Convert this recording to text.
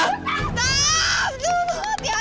jangan meledak tunggu button dua jalan